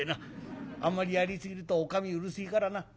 あんまりやりすぎるとおかみうるせえからな。